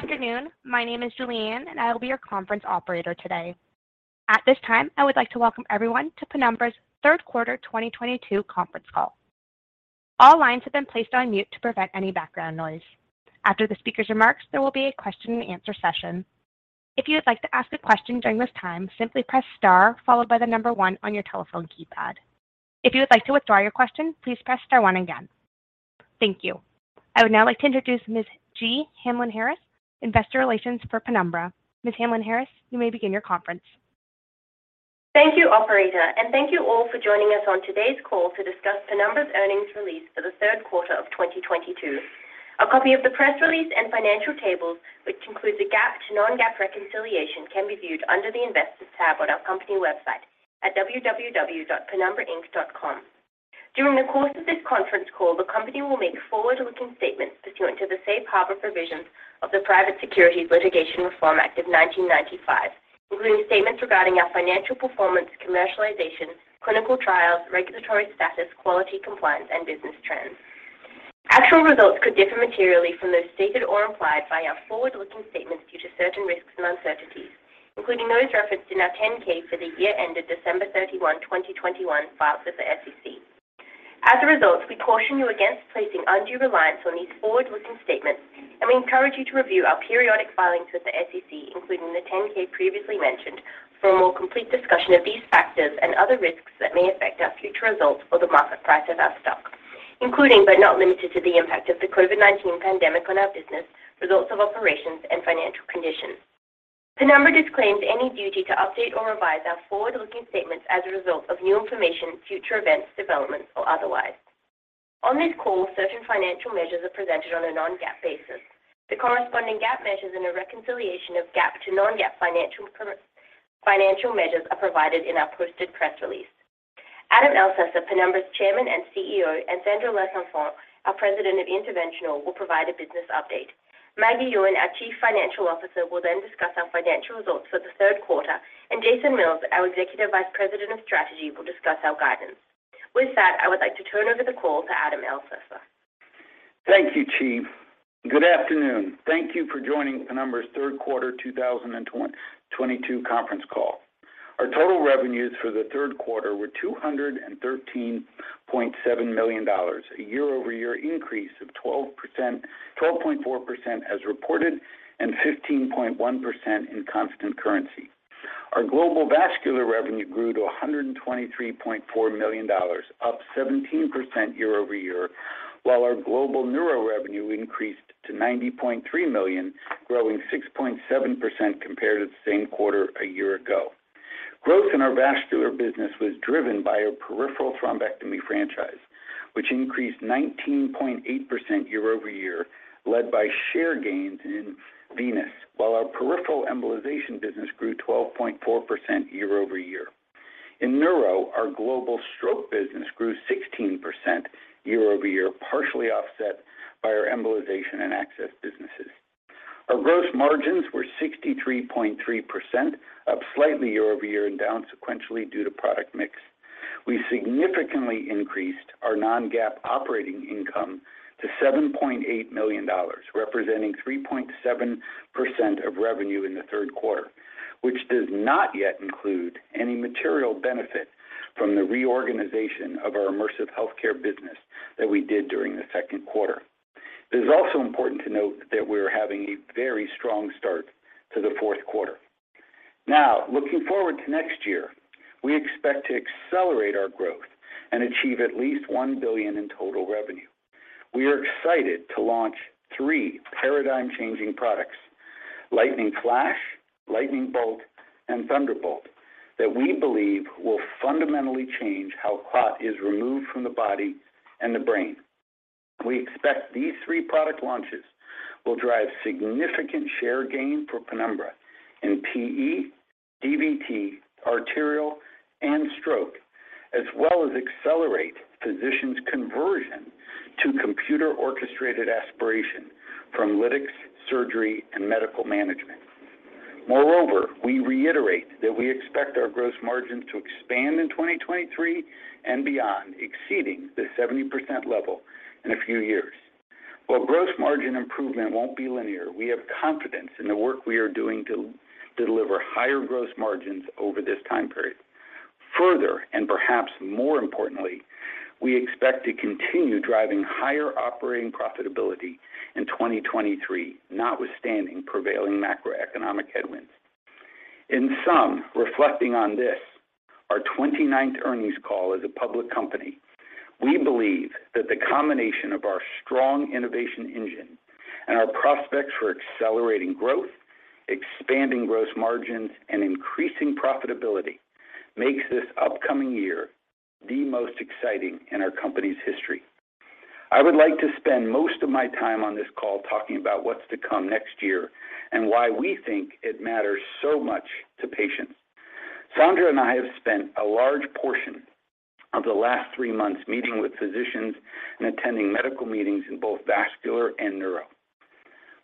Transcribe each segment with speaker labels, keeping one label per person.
Speaker 1: Good afternoon. My name is Julianne, and I will be your conference operator today. At this time, I would like to welcome everyone to Penumbra's third quarter 2022 conference call. All lines have been placed on mute to prevent any background noise. After the speaker's remarks, there will be a question and answer session. If you would like to ask a question during this time, simply press star followed by the number one on your telephone keypad. If you would like to withdraw your question, please press star one again. Thank you. I would now like to introduce Ms. Jee Hamlyn-Harris, investor relations for Penumbra. Ms. Hamlyn-Harris, you may begin your conference.
Speaker 2: Thank you, operator, and thank you all for joining us on today's call to discuss Penumbra's earnings release for the third quarter of 2022. A copy of the press release and financial tables, which includes a GAAP to non-GAAP reconciliation, can be viewed under the Investors tab on our company website at www.penumbrainc.com. During the course of this conference call, the company will make forward-looking statements pursuant to the safe harbor provisions of the Private Securities Litigation Reform Act of 1995, including statements regarding our financial performance, commercialization, clinical trials, regulatory status, quality, compliance, and business trends. Actual results could differ materially from those stated or implied by our forward-looking statements due to certain risks and uncertainties, including those referenced in our 10-K for the year ended December 31, 2021, filed with the SEC. As a result, we caution you against placing undue reliance on these forward-looking statements, and we encourage you to review our periodic filings with the SEC, including the 10-K previously mentioned, for a more complete discussion of these factors and other risks that may affect our future results or the market price of our stock, including but not limited to the impact of the COVID-19 pandemic on our business, results of operations, and financial conditions. Penumbra disclaims any duty to update or revise our forward-looking statements as a result of new information, future events, developments, or otherwise. On this call, certain financial measures are presented on a non-GAAP basis. The corresponding GAAP measures and a reconciliation of GAAP to non-GAAP financial measures are provided in our posted press release. Adam Elsesser, Penumbra's Chairman and CEO, and Sandra Lesenfants, our President of Interventional, will provide a business update. Maggie Yuen, our Chief Financial Officer, will then discuss our financial results for the third quarter, and Jason Mills, our Executive Vice President of Strategy, will discuss our guidance. With that, I would like to turn over the call to Adam Elsesser.
Speaker 3: Thank you, Jee. Good afternoon. Thank you for joining Penumbra's third quarter 2022 conference call. Our total revenues for the third quarter were $213.7 million, a year-over-year increase of 12%, 12.4% as reported and 15.1% in constant currency. Our global vascular revenue grew to $123.4 million, up 17% year-over-year, while our global neuro revenue increased to $90.3 million, up 6.7% compared to the same quarter a year ago. Growth in our vascular business was driven by our peripheral thrombectomy franchise, which increased 19.8% year-over-year, led by share gains in venous, while our peripheral embolization business grew 12.4% year-over-year. In neuro, our global stroke business grew 16% year-over-year, partially offset by our embolization and access businesses. Our gross margins were 63.3%, up slightly year-over-year and down sequentially due to product mix. We significantly increased our non-GAAP operating income to $7.8 million, representing 3.7% of revenue in the third quarter, which does not yet include any material benefit from the reorganization of our immersive healthcare business that we did during the second quarter. It is also important to note that we're having a very strong start to the fourth quarter. Now, looking forward to next year, we expect to accelerate our growth and achieve at least $1 billion in total revenue. We are excited to launch three paradigm-changing products, Lightning Flash, Lightning Bolt, and Thunderbolt, that we believe will fundamentally change how clot is removed from the body and the brain. We expect these three product launches will drive significant share gain for Penumbra in PE, DVT, arterial, and stroke, as well as accelerate physicians' conversion to computer-orchestrated aspiration from lytics, surgery, and medical management. Moreover, we reiterate that we expect our gross margins to expand in 2023 and beyond, exceeding the 70% level in a few years. While gross margin improvement won't be linear, we have confidence in the work we are doing to deliver higher gross margins over this time period. Further, and perhaps more importantly, we expect to continue driving higher operating profitability in 2023, notwithstanding prevailing macroeconomic headwinds. In sum, reflecting on this, our 29th earnings call as a public company, we believe that the combination of our strong innovation engine and our prospects for accelerating growth, expanding gross margins, and increasing profitability makes this upcoming year the most exciting in our company's history. I would like to spend most of my time on this call talking about what's to come next year and why we think it matters so much to patients. Sandra and I have spent a large portion of the last three months meeting with physicians and attending medical meetings in both vascular and neuro.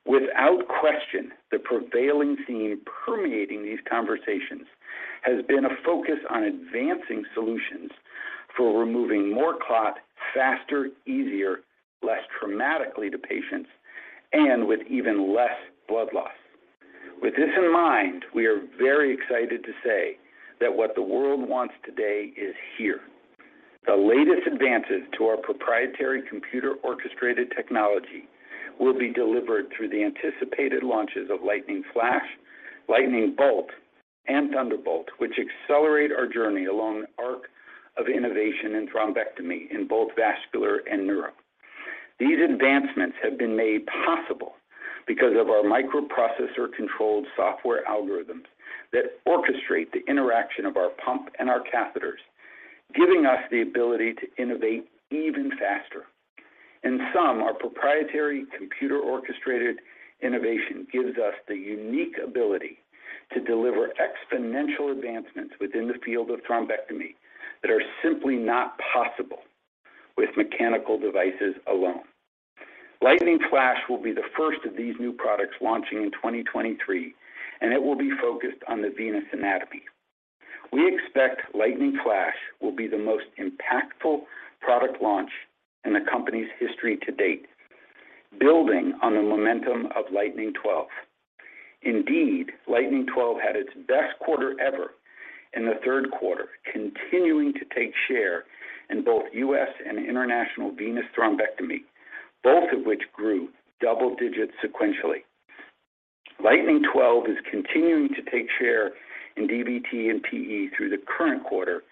Speaker 3: Without question, the prevailing theme permeating these conversations has been a focus on advancing solutions for removing more clot faster, easier, less traumatically to patients, and with even less blood loss. With this in mind, we are very excited to say that what the world wants today is here. The latest advances to our proprietary computer orchestrated technology will be delivered through the anticipated launches of Lightning Flash, Lightning Bolt, and Thunderbolt, which accelerate our journey along the arc of innovation in thrombectomy in both vascular and neuro. These advancements have been made possible because of our microprocessor-controlled software algorithms that orchestrate the interaction of our pump and our catheters, giving us the ability to innovate even faster. In sum, our proprietary computer orchestrated innovation gives us the unique ability to deliver exponential advancements within the field of thrombectomy that are simply not possible with mechanical devices alone. Lightning Flash will be the first of these new products launching in 2023, and it will be focused on the venous anatomy. We expect Lightning Flash will be the most impactful product launch in the company's history to date, building on the momentum of Lightning 12. Indeed, Lightning 12 had its best quarter ever in the third quarter, continuing to take share in both U.S. and international venous thrombectomy, both of which grew double digits sequentially. Lightning 12 is continuing to take share in DVT and PE through the current quarter,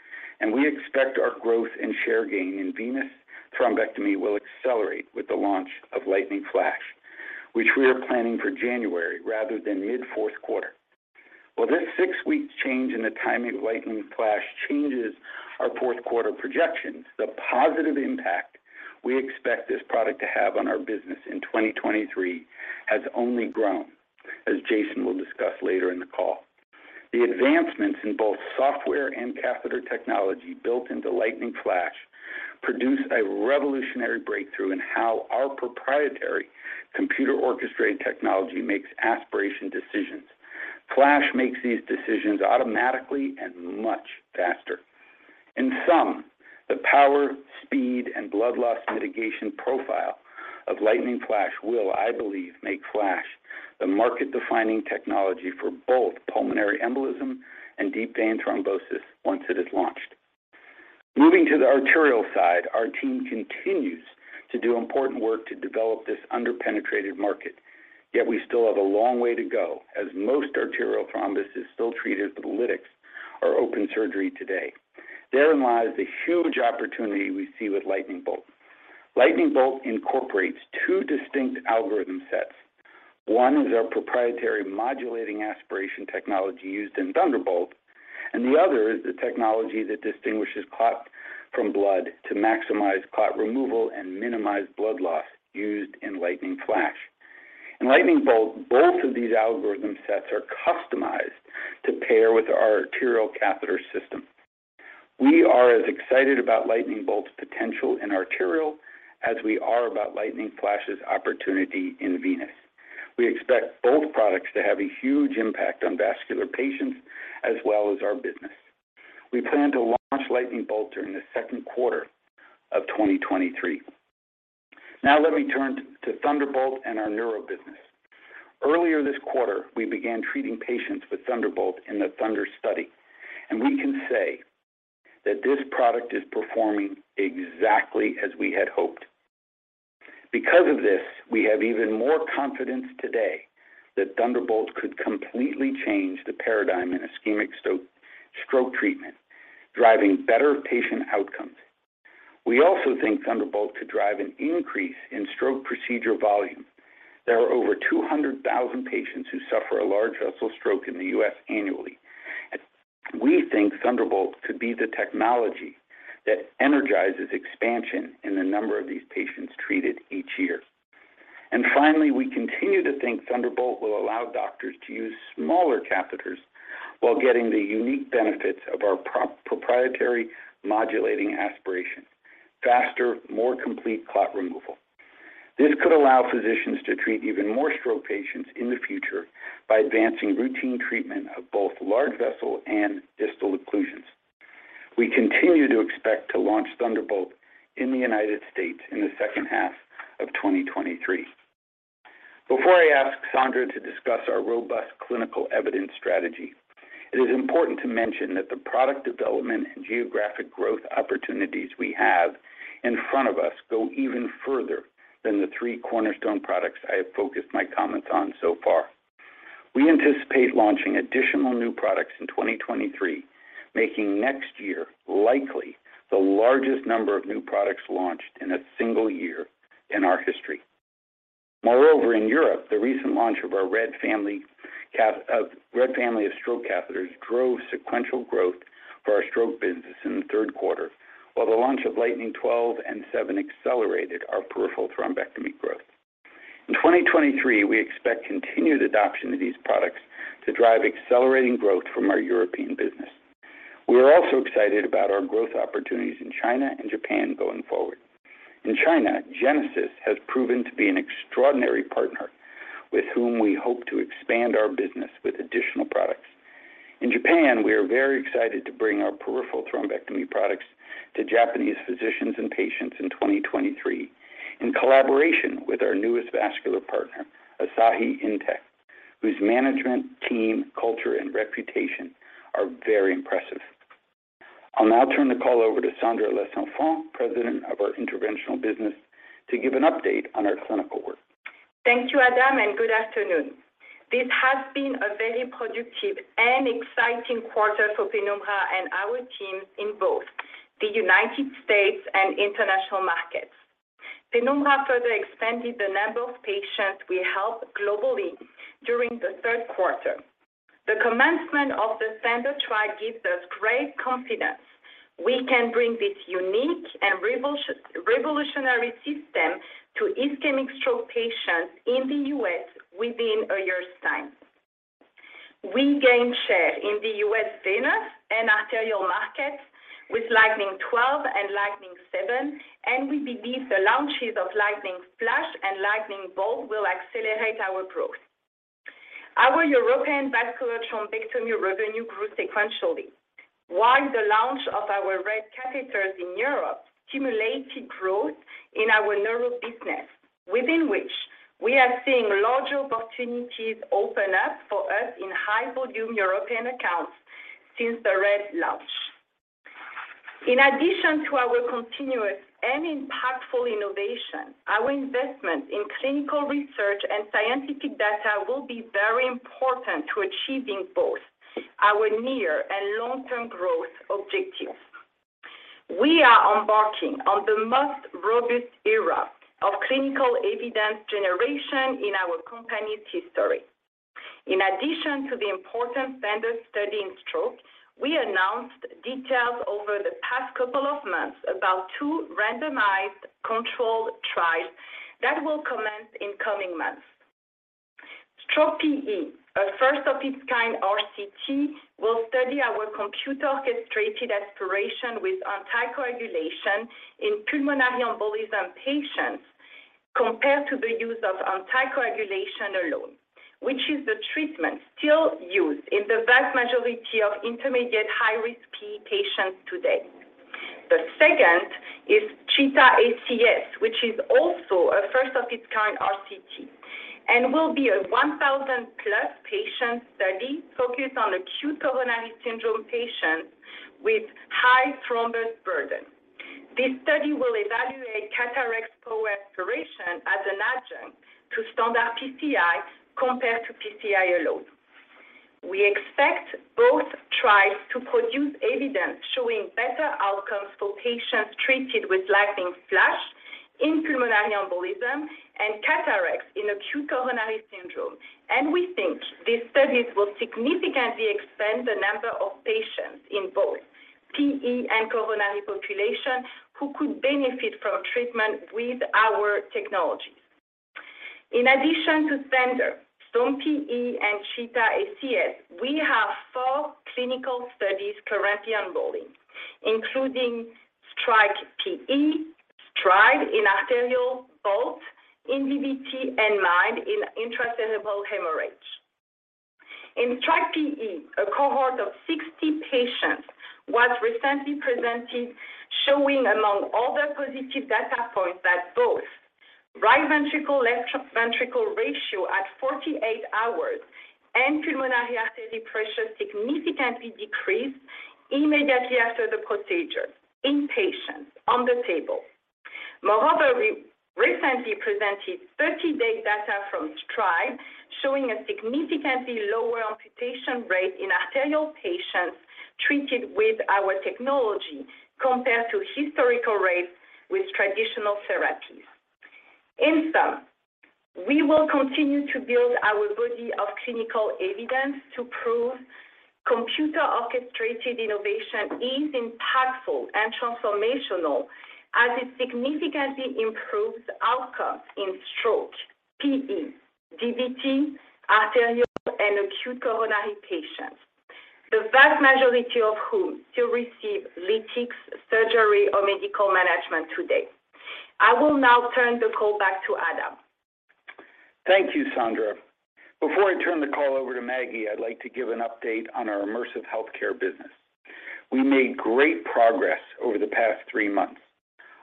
Speaker 3: and we expect our growth and share gain in venous thrombectomy will accelerate with the launch of Lightning Flash, which we are planning for January rather than mid-fourth quarter. While this six-week change in the timing of Lightning Flash changes our fourth quarter projections, the positive impact we expect this product to have on our business in 2023 has only grown, as Jason will discuss later in the call. The advancements in both software and catheter technology built into Lightning Flash produce a revolutionary breakthrough in how our proprietary computer-orchestrated technology makes aspiration decisions. Flash makes these decisions automatically and much faster. In sum, the power, speed, and blood loss mitigation profile of Lightning Flash will, I believe, make Flash the market-defining technology for both pulmonary embolism and deep vein thrombosis once it is launched. Moving to the arterial side, our team continues to do important work to develop this under-penetrated market. Yet we still have a long way to go, as most arterial thrombosis is still treated with lytics or open surgery today. Therein lies the huge opportunity we see with Lightning Bolt. Lightning Bolt incorporates two distinct algorithm sets. One is our proprietary modulating aspiration technology used in Thunderbolt, and the other is the technology that distinguishes clot from blood to maximize clot removal and minimize blood loss used in Lightning Flash. In Lightning Bolt, both of these algorithm sets are customized to pair with our arterial catheter system. We are as excited about Lightning Bolt's potential in arterial as we are about Lightning Flash's opportunity in venous. We expect both products to have a huge impact on vascular patients as well as our business. We plan to launch Lightning Bolt during the second quarter of 2023. Now let me turn to Thunderbolt and our neuro business. Earlier this quarter, we began treating patients with Thunderbolt in the THUNDER study. We can say that this product is performing exactly as we had hoped. Because of this, we have even more confidence today that Thunderbolt could completely change the paradigm in ischemic stroke treatment, driving better patient outcomes. We also think Thunderbolt could drive an increase in stroke procedural volume. There are over 200,000 patients who suffer a large vessel stroke in the U.S. annually. We think Thunderbolt could be the technology that energizes expansion in the number of these patients treated each year. Finally, we continue to think Thunderbolt will allow doctors to use smaller catheters while getting the unique benefits of our proprietary modulating aspiration. Faster, more complete clot removal. This could allow physicians to treat even more stroke patients in the future by advancing routine treatment of both large vessel and distal occlusions. We continue to expect to launch Thunderbolt in the United States in the second half of 2023. Before I ask Sandra to discuss our robust clinical evidence strategy, it is important to mention that the product development and geographic growth opportunities we have in front of us go even further than the three cornerstone products I have focused my comments on so far. We anticipate launching additional new products in 2023, making next year likely the largest number of new products launched in a single year in our history. Moreover, in Europe, the recent launch of our RED family of stroke catheters drove sequential growth for our stroke business in the third quarter, while the launch of Lightning 12 and 7 accelerated our peripheral thrombectomy growth. In 2023, we expect continued adoption of these products to drive accelerating growth from our European business. We're also excited about our growth opportunities in China and Japan going forward. In China, Genesis has proven to be an extraordinary partner with whom we hope to expand our business with additional products. In Japan, we are very excited to bring our peripheral thrombectomy products to Japanese physicians and patients in 2023 in collaboration with our newest vascular partner, Asahi Intecc, whose management, team, culture, and reputation are very impressive. I'll now turn the call over to Sandra Lesenfants, President of our Interventional Business, to give an update on our clinical work.
Speaker 4: Thank you, Adam, and good afternoon. This has been a very productive and exciting quarter for Penumbra and our teams in both the United States and international markets. Penumbra further expanded the number of patients we help globally during the third quarter. The commencement of the THUNDER trial gives us great confidence we can bring this unique and revolutionary system to ischemic stroke patients in the U.S. within a year's time. We gained share in the U.S. venous and arterial markets with Lightning 12 and Lightning 7, and we believe the launches of Lightning Flash and Lightning Bolt will accelerate our growth. Our European vascular thrombectomy revenue grew sequentially. While the launch of our RED catheters in Europe stimulated growth in our neuro business, within which we are seeing larger opportunities open up for us in high-volume European accounts since the RED launch. In addition to our continuous and impactful innovation, our investment in clinical research and scientific data will be very important to achieving both our near and long-term growth objectives. We are embarking on the most robust era of clinical evidence generation in our company's history. In addition to the important standard study in stroke, we announced details over the past couple of months about two randomized controlled trials that will commence in coming months. STORM-PE, a first of its kind RCT, will study our computer-orchestrated aspiration with anticoagulation in pulmonary embolism patients compared to the use of anticoagulation alone, which is the treatment still used in the vast majority of intermediate-high risk PE patients today. The second is CHEETAH ACS, which is also a first of its kind RCT and will be a 1,000+ patient study focused on acute coronary syndrome patients with high thrombus burden. This study will evaluate CAT RX aspiration as an adjunct to standard PCI compared to PCI alone. We expect both trials to produce evidence showing better outcomes for patients treated with Lightning Flash in pulmonary embolism and CAT RX in acute coronary syndrome. We think these studies will significantly expand the number of patients in both PE and coronary population who could benefit from treatment with our technologies. In addition to STORM-PE and CHEETAH ACS, we have four clinical studies currently onboarding, including STRIKE-PE, STRIDE in arterial bolt, NBBT, and MIND in intracerebral hemorrhage. In STRIKE-PE, a cohort of 60 patients was recently presented showing, among other positive data points, that both right ventricle/left ventricle ratio at 48 hours and pulmonary artery pressure significantly decreased immediately after the procedure in patients on the table. Moreover, we recently presented 30-day data from STRIDE showing a significantly lower amputation rate in arterial patients treated with our technology compared to historical rates with traditional therapies. In sum, we will continue to build our body of clinical evidence to prove computer-orchestrated innovation is impactful and transformational as it significantly improves outcomes in stroke, PE, DVT, arterial, and acute coronary patients, the vast majority of whom still receive lytics, surgery, or medical management today. I will now turn the call back to Adam.
Speaker 3: Thank you, Sandra. Before I turn the call over to Maggie, I'd like to give an update on our immersive healthcare business. We made great progress over the past three months.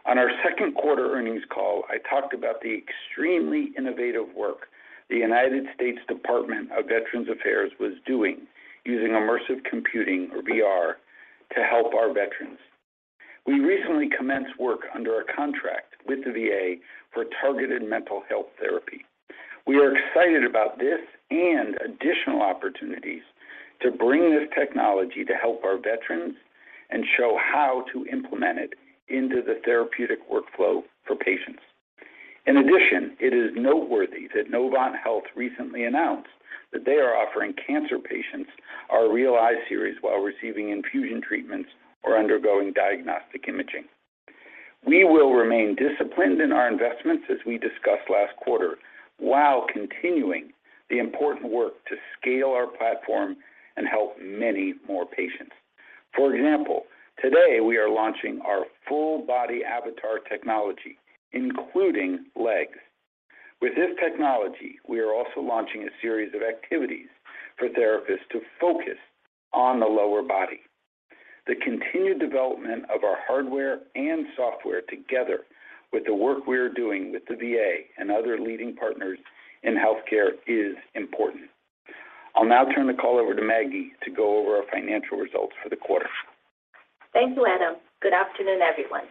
Speaker 3: On our second quarter earnings call, I talked about the extremely innovative work the United States Department of Veterans Affairs was doing using immersive computing or VR to help our veterans. We recently commenced work under a contract with the VA for targeted mental health therapy. We are excited about this and additional opportunities to bring this technology to help our veterans and show how to implement it into the therapeutic workflow for patients. In addition, it is noteworthy that Novant Health recently announced that they are offering cancer patients our REAL i-Series while receiving infusion treatments or undergoing diagnostic imaging. We will remain disciplined in our investments as we discussed last quarter, while continuing the important work to scale our platform and help many more patients. For example, today we are launching our full body avatar technology, including legs. With this technology, we are also launching a series of activities for therapists to focus on the lower body. The continued development of our hardware and software together with the work we are doing with the VA and other leading partners in healthcare is important. I'll now turn the call over to Maggie to go over our financial results for the quarter.
Speaker 5: Thank you, Adam. Good afternoon, everyone.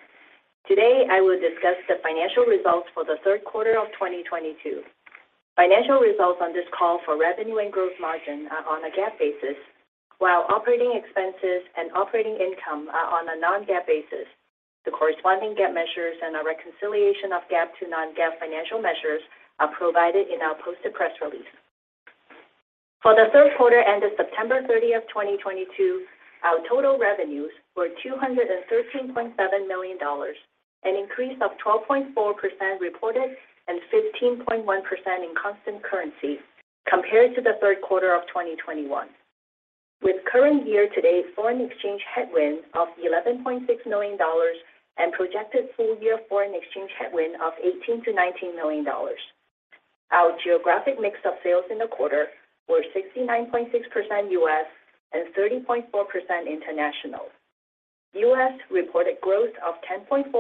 Speaker 5: Today, I will discuss the financial results for the third quarter of 2022. Financial results on this call for revenue and gross margin are on a GAAP basis, while operating expenses and operating income are on a non-GAAP basis. The corresponding GAAP measures and a reconciliation of GAAP to non-GAAP financial measures are provided in our posted press release. For the third quarter ended September 30, 2022, our total revenues were $213.7 million, an increase of 12.4% reported and 15.1% in constant currency compared to the third quarter of 2021. With current year to date foreign exchange headwind of $11.6 million and projected full year foreign exchange headwind of $18 million-$19 million. Our geographic mix of sales in the quarter were 69.6% U.S. and 30.4% international. U.S. reported growth of 10.4%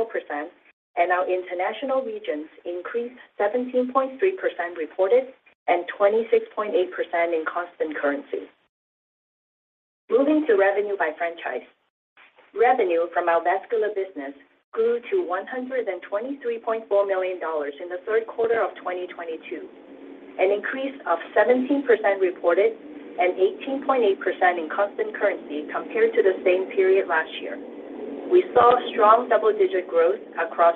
Speaker 5: and our international regions increased 17.3% reported and 26.8% in constant currency. Moving to revenue by franchise. Revenue from our vascular business grew to $123.4 million in the third quarter of 2022, an increase of 17% reported and 18.8% in constant currency compared to the same period last year. We saw strong double-digit growth across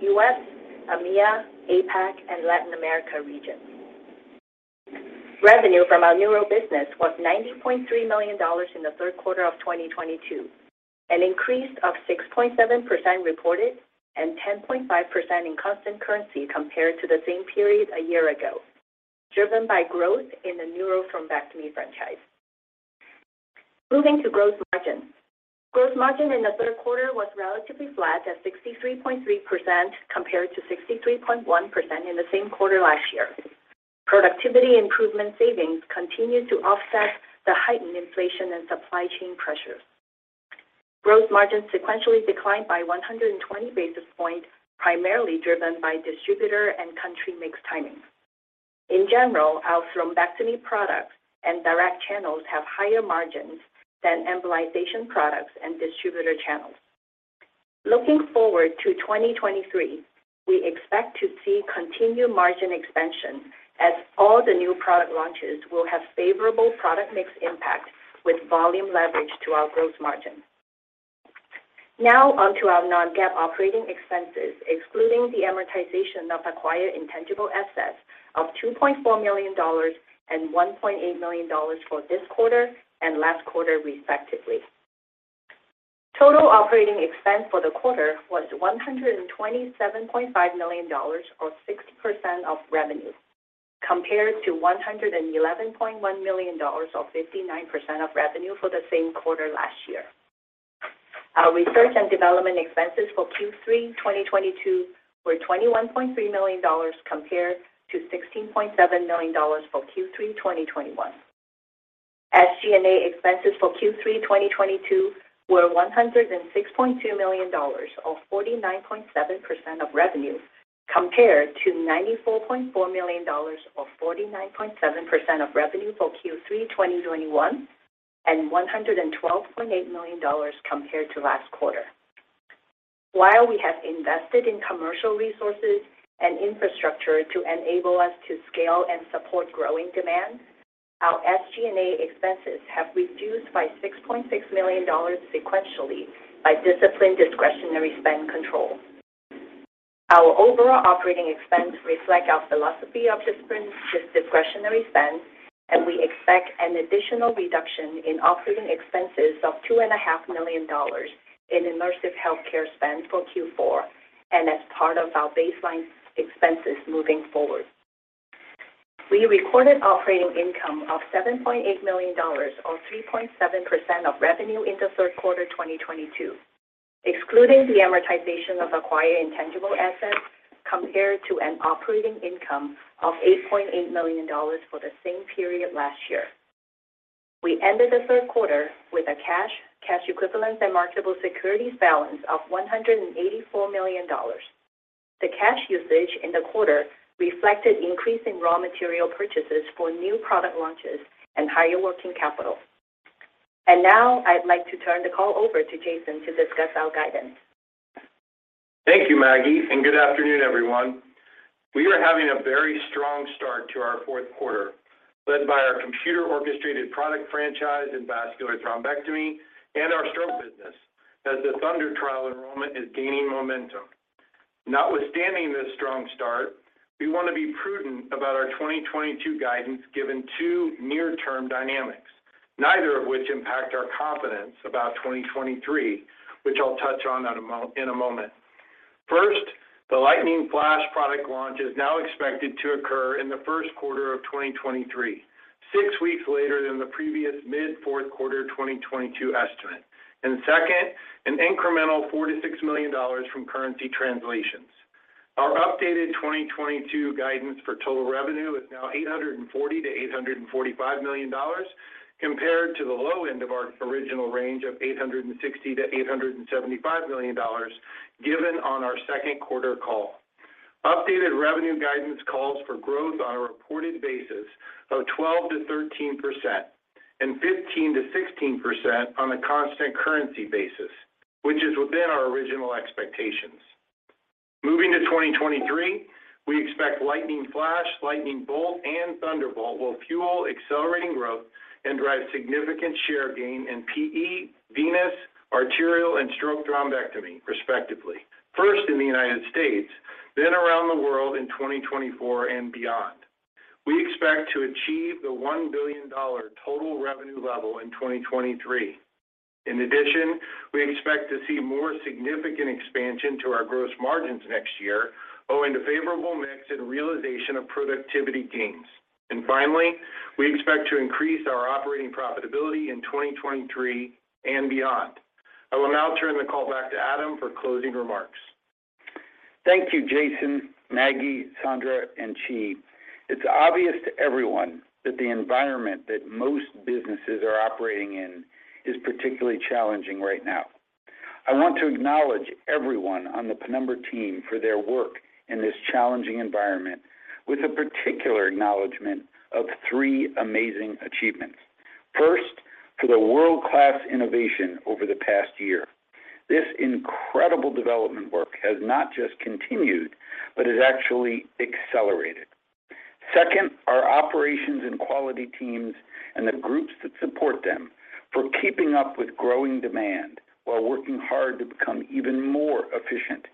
Speaker 5: U.S., EMEA, APAC, and Latin America regions. Revenue from our neuro business was $90.3 million in the third quarter of 2022, an increase of 6.7% reported and 10.5% in constant currency compared to the same period a year ago, driven by growth in the neuro thrombectomy franchise. Moving to gross margin. Gross margin in the third quarter was relatively flat at 63.3% compared to 63.1% in the same quarter last year. Productivity improvement savings continued to offset the heightened inflation and supply chain pressures. Gross margin sequentially declined by 120 basis points, primarily driven by distributor and country mix timing. In general, our thrombectomy products and direct channels have higher margins than embolization products and distributor channels. Looking forward to 2023, we expect to see continued margin expansion as all the new product launches will have favorable product mix impact with volume leverage to our gross margin. Now on to our non-GAAP operating expenses, excluding the amortization of acquired intangible assets of $2.4 million and $1.8 million for this quarter and last quarter respectively. Total operating expense for the quarter was $127.5 million or 60% of revenue, compared to $111.1 million or 59% of revenue for the same quarter last year. Our research and development expenses for Q3 2022 were $21.3 million compared to $16.7 million for Q3 2021. SG&A expenses for Q3 2022 were $106.2 million or 49.7% of revenue, compared to $94.4 million or 49.7% of revenue for Q3 2021 and $112.8 million compared to last quarter. While we have invested in commercial resources and infrastructure to enable us to scale and support growing demand, our SG&A expenses have reduced by $6.6 million sequentially by disciplined discretionary spend control. Our overall operating expense reflect our philosophy of disciplined discretionary spend, and we expect an additional reduction in operating expenses of $2.5 million in immersive healthcare spend for Q4 and as part of our baseline expenses moving forward. We recorded operating income of $7.8 million or 3.7% of revenue in the third quarter 2022, excluding the amortization of acquired intangible assets compared to an operating income of $8.8 million for the same period last year. We ended the third quarter with a cash equivalents, and marketable securities balance of $184 million. The cash usage in the quarter reflected increasing raw material purchases for new product launches and higher working capital. Now I'd like to turn the call over to Jason to discuss our guidance.
Speaker 6: Thank you, Maggie, and good afternoon, everyone. We are having a very strong start to our fourth quarter, led by our computer orchestrated product franchise in vascular thrombectomy and our stroke business as the THUNDER trial enrollment is gaining momentum. Notwithstanding this strong start, we want to be prudent about our 2022 guidance given two near-term dynamics, neither of which impact our confidence about 2023, which I'll touch on in a moment. First, the Lightning Flash product launch is now expected to occur in the first quarter of 2023, six weeks later than the previous mid fourth quarter 2022 estimate. Second, an incremental $4 million-$6 million from currency translations. Our updated 2022 guidance for total revenue is now $840 million-$845 million compared to the low end of our original range of $860 million-$875 million given on our second quarter call. Updated revenue guidance calls for growth on a reported basis of 12%-13% and 15%-16% on a constant currency basis, which is within our original expectations. Moving to 2023, we expect Lightning Flash, Lightning Bolt and Thunderbolt will fuel accelerating growth and drive significant share gain in PE, venous, arterial and stroke thrombectomy, respectively. First in the United States, then around the world in 2024 and beyond. We expect to achieve the $1 billion total revenue level in 2023. In addition, we expect to see more significant expansion to our gross margins next year owing to favorable mix and realization of productivity gains. Finally, we expect to increase our operating profitability in 2023 and beyond. I will now turn the call back to Adam for closing remarks.
Speaker 3: Thank you, Jason, Maggie, Sandra, and Jee. It's obvious to everyone that the environment that most businesses are operating in is particularly challenging right now. I want to acknowledge everyone on the Penumbra team for their work in this challenging environment with a particular acknowledgment of three amazing achievements. First, for the world-class innovation over the past year. This incredible development work has not just continued, but has actually accelerated. Second, our operations and quality teams and the groups that support them for keeping up with growing demand while working hard to become even more efficient,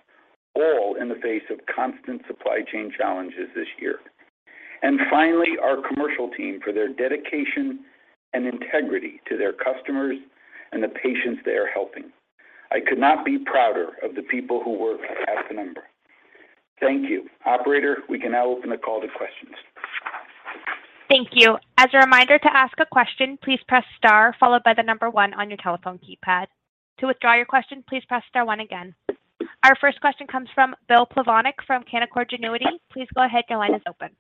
Speaker 3: all in the face of constant supply chain challenges this year. And finally, our commercial team for their dedication and integrity to their customers and the patients they are helping. I could not be prouder of the people who work at Penumbra. Thank you. Operator, we can now open the call to questions.
Speaker 1: Thank you. As a reminder to ask a question, please press star followed by the number one on your telephone keypad. To withdraw your question, please press star one again. Our first question comes from Bill Plovanic from Canaccord Genuity. Please go ahead. Your line is open.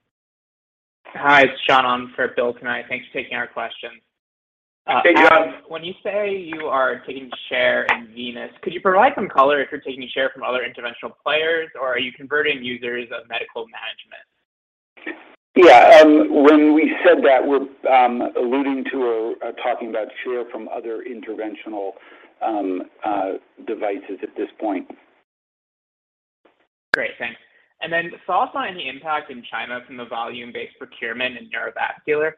Speaker 7: Hi, it's John on for Bill tonight. Thanks for taking our questions.
Speaker 3: Hey, John.
Speaker 7: When you say you are taking share in venous, could you provide some color if you're taking share from other interventional players, or are you converting users of medical management?
Speaker 3: Yeah. When we said that, we're alluding to or talking about share from other interventional devices at this point.
Speaker 7: Great. Thanks. Thoughts on any impact in China from the volume-based procurement in neurovascular?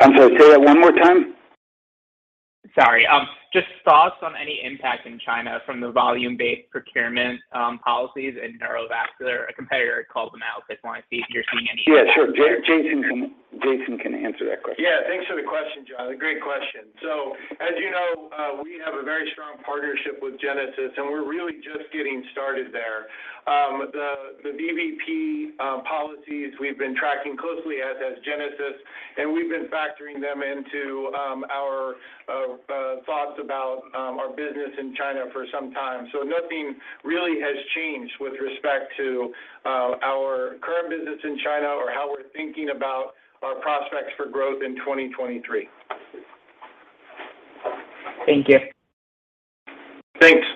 Speaker 3: I'm sorry, say that one more time.
Speaker 7: Sorry. Just thoughts on any impact in China from the volume-based procurement policies in neurovascular. A competitor had called them out. They want to see if you're seeing any-
Speaker 3: Yeah, sure. Jason can answer that question.
Speaker 6: Yeah. Thanks for the question, John. A great question. As you know, we have a very strong partnership with Genesis, and we're really just getting started there. The VBP policies we've been tracking closely as Genesis, and we've been factoring them into our thoughts about our business in China for some time. Nothing really has changed with respect to our current business in China or how we're thinking about our prospects for growth in 2023.
Speaker 7: Thank you.
Speaker 3: Thanks.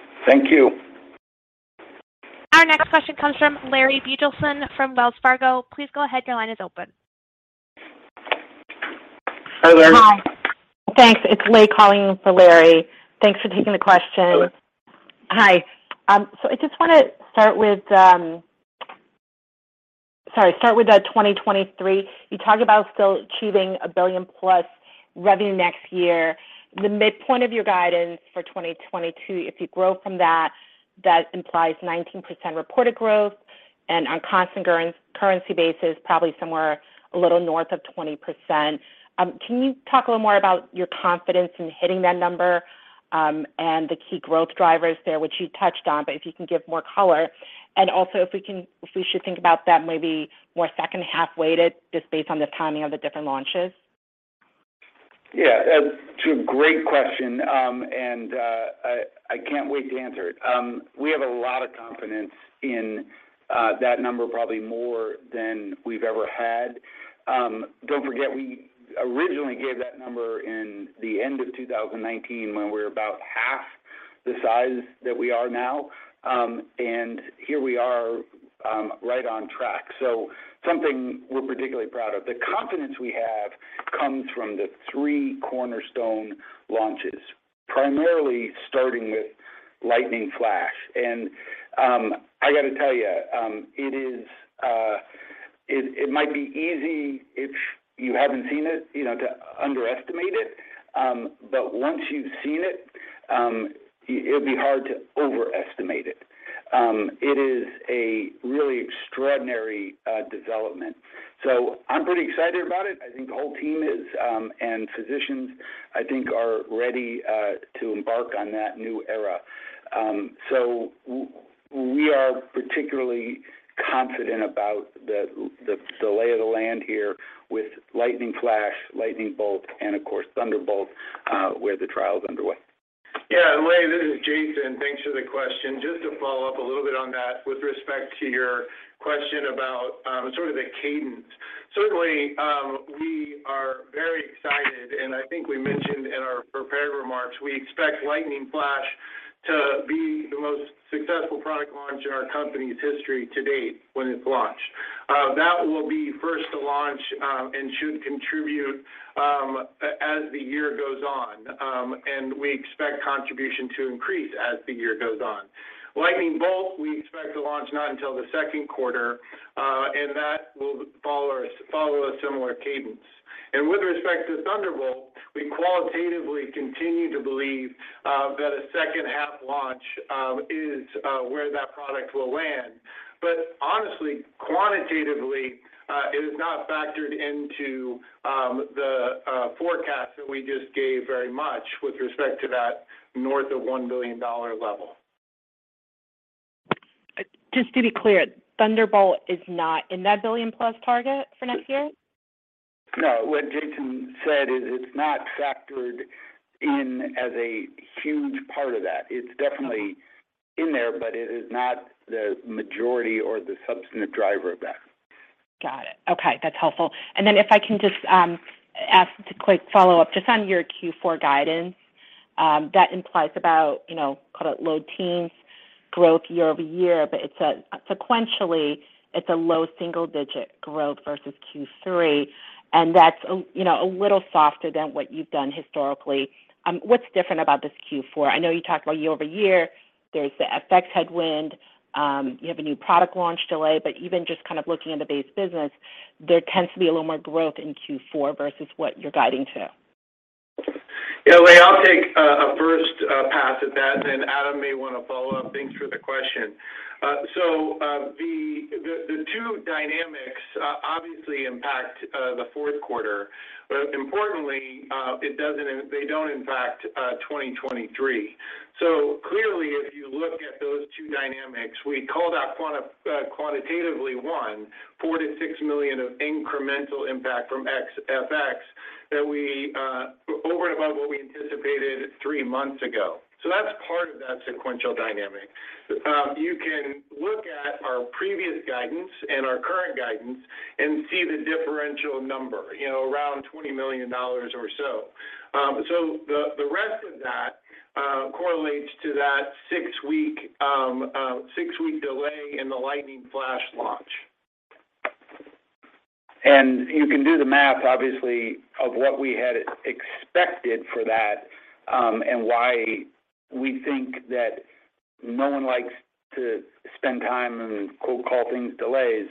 Speaker 3: Thank you.
Speaker 1: Our next question comes from Larry Biegelsen from Wells Fargo. Please go ahead. Your line is open.
Speaker 3: Hi, Larry.
Speaker 8: Hi. Thanks. It's Leigh calling for Larry. Thanks for taking the question.
Speaker 3: Hello.
Speaker 8: Hi. So I just want to start with 2023. You talked about still achieving a billion plus revenue next year. The midpoint of your guidance for 2022, if you grow from that implies 19% reported growth and on constant currency basis, probably somewhere a little north of 20%. Can you talk a little more about your confidence in hitting that number, and the key growth drivers there, which you touched on, but if you can give more color? Also if we should think about that maybe more second half-weighted just based on the timing of the different launches.
Speaker 6: Yeah. It's a great question, and I can't wait to answer it. We have a lot of confidence in that number, probably more than we've ever had. Don't forget, we originally gave that number in the end of 2019 when we were about half the size that we are now. Here we are, right on track. Something we're particularly proud of. The confidence we have comes from the three cornerstone launches, primarily starting with Lightning Flash. I got to tell you, it might be easy if you haven't seen it, you know, to underestimate it. Once you've seen it'd be hard to overestimate it.
Speaker 3: It is a really extraordinary development. I'm pretty excited about it. I think the whole team is, and physicians, I think, are ready to embark on that new era. We are particularly confident about the lay of the land here with Lightning Flash, Lightning Bolt, and of course, Thunderbolt, where the trial is underway.
Speaker 6: Yeah. Leigh, this is Jason. Thanks for the question. Just to follow up a little bit on that with respect to your question about sort of the cadence. Certainly, we are very excited, and I think we mentioned in our prepared remarks, we expect Lightning Flash to be the most successful product launch in our company's history to date when it's launched. That will be first to launch, and should contribute as the year goes on. We expect contribution to increase as the year goes on. Lightning Bolt, we expect to launch not until the second quarter, and that will follow a similar cadence. With respect to Thunderbolt, we qualitatively continue to believe that a second half launch is where that product will land. Honestly, quantitatively, it is not factored into the forecast that we just gave very much with respect to that north of $1 billion level.
Speaker 8: Just to be clear, Thunderbolt is not in that $1 billion-plus target for next year?
Speaker 3: No. What Jason said is it's not factored in as a huge part of that. It's definitely in there, but it is not the majority or the substantive driver of that.
Speaker 8: Got it. Okay. That's helpful. If I can just ask a quick follow-up just on your Q4 guidance, that implies about, you know, call it low-teens growth year-over-year, but sequentially, it's a low single-digit growth versus Q3, and that's, you know, a little softer than what you've done historically. What's different about this Q4? I know you talked about year-over-year. There's the FX headwind. You have a new product launch delay, but even just kind of looking at the base business, there tends to be a little more growth in Q4 versus what you're guiding to.
Speaker 6: Yeah. Leigh, I'll take a first pass at that, then Adam may wanna follow up. Thanks for the question. The two dynamics obviously impact the fourth quarter. Importantly, they don't impact 2023. Clearly, if you look at those two dynamics, we call that quantitatively $4 million-$6 million of incremental impact from FX that we over and above what we anticipated three months ago. That's part of that sequential dynamic. You can look at our previous guidance and our current guidance and see the differential number, you know, around $20 million or so. The rest of that correlates to that six-week delay in the Lightning Flash launch.
Speaker 3: You can do the math, obviously, of what we had expected for that, and why we think that no one likes to spend time and quote, call things delays.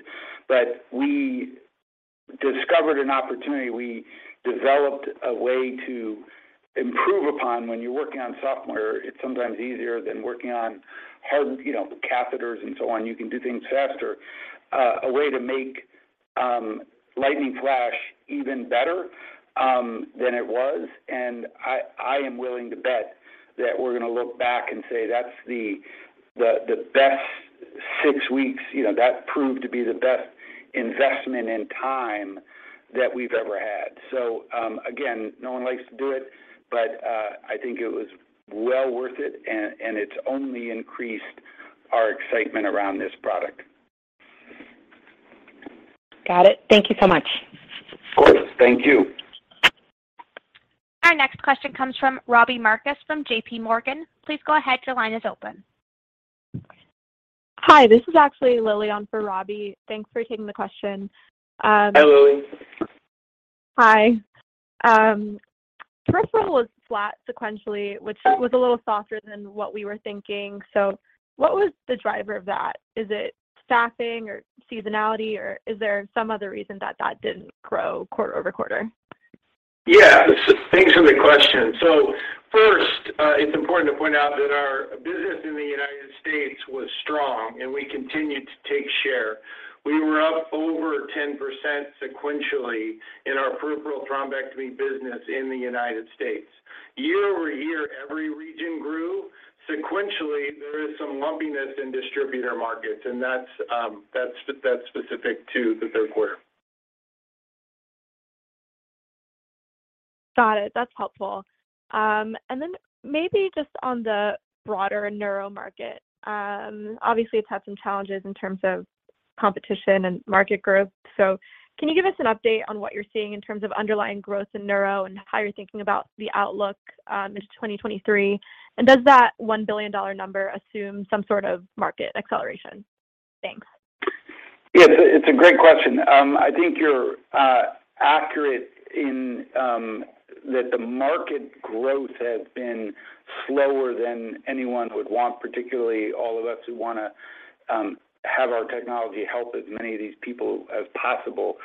Speaker 3: We discovered an opportunity. We developed a way to improve upon. When you're working on software, it's sometimes easier than working on hardware, you know, catheters and so on. You can do things faster. A way to make Lightning Flash even better than it was. I am willing to bet that we're gonna look back and say that's the best six weeks, you know, that proved to be the best investment and time that we've ever had. Again, no one likes to do it, but I think it was well worth it, and it's only increased our excitement around this product.
Speaker 8: Got it. Thank you so much.
Speaker 3: Of course. Thank you.
Speaker 1: Our next question comes from Robbie Marcus from JPMorgan. Please go ahead. Your line is open.
Speaker 9: Hi. This is actually Lily on for Robbie. Thanks for taking the question.
Speaker 3: Hi, Lily.
Speaker 9: Hi. Peripheral was flat sequentially, which was a little softer than what we were thinking. What was the driver of that? Is it staffing or seasonality, or is there some other reason that didn't grow quarter over quarter?
Speaker 6: Thanks for the question. First, it's important to point out that our business in the United States was strong, and we continued to take share. We were up over 10% sequentially in our peripheral thrombectomy business in the United States. Year-over-year, every region grew. Sequentially, there is some lumpiness in distributor markets, and that's specific to the third quarter.
Speaker 9: Got it. That's helpful. Maybe just on the broader neuro market, obviously it's had some challenges in terms of competition and market growth. Can you give us an update on what you're seeing in terms of underlying growth in neuro and how you're thinking about the outlook into 2023? Does that $1 billion number assume some sort of market acceleration? Thanks.
Speaker 3: Yes. It's a great question. I think you're accurate in that the market growth has been slower than anyone would want, particularly all of us who wanna have our technology help as many of these people as possible.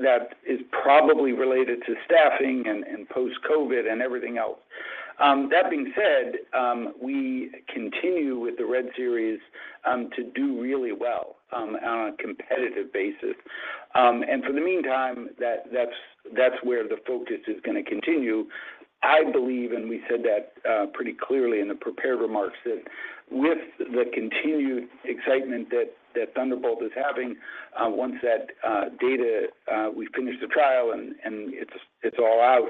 Speaker 3: That is probably related to staffing and post-COVID and everything else. That being said, we continue with the RED series to do really well on a competitive basis. For the meantime, that's where the focus is gonna continue. I believe, and we said that pretty clearly in the prepared remarks, that with the continued excitement that Thunderbolt is having, once that data we finish the trial and it's all out,